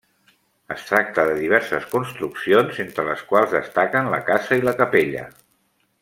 Es tracta de diverses construccions, entre les quals destaquen la casa i la capella.